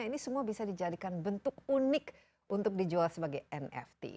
ini semua bisa dijadikan bentuk unik untuk dijual sebagai nft